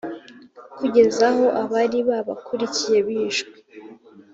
kugeza aho abari babakurikiye bishwe